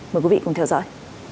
mời quý vị cùng theo dõi